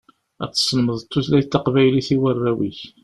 Ad teslemdeḍ tutlayt taqbaylit i warraw-ik.